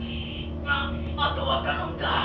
あっ後はたのんだ。